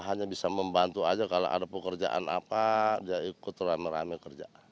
hanya bisa membantu aja kalau ada pekerjaan apa dia ikut rame rame kerja